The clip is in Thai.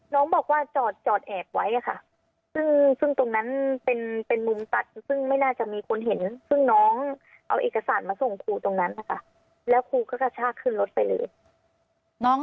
น้องบอกว่าจอดจอดแอบไว้ค่ะซึ่งตรงนั้นเป็นมุมตัดซึ่งไม่น่าจะมีคนเห็นซึ่งน้องเอาเอกสารมาส่งครูตรงนั้นนะคะแล้วครูก็กระชากขึ้นรถไปเลย